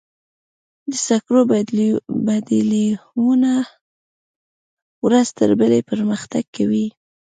د سکرو بدیلونه ورځ تر بلې پرمختګ کوي.